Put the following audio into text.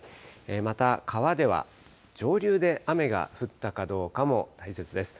また川では上流で雨が降ったかどうかも大切です。